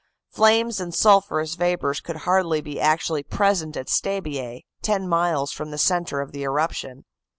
Flames and sulphurous vapors could hardly be actually present at Stabiae, ten miles from the centre of the eruption.